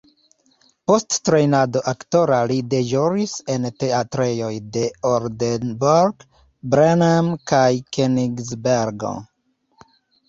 Post trejnado aktora li deĵoris en teatrejoj de Oldenburg, Bremen kaj Kenigsbergo.